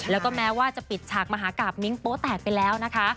แล้วก็แม้ว่าจะปิดฉากมหากราบมิ้งโป๊แตกไปแล้วนะคะ